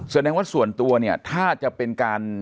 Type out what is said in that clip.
แสดงว่าส่วนตัวเนี่ยถ้าจะเป็นการ